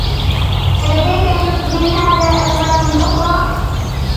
ألديك من هذا ألوان أخرى ؟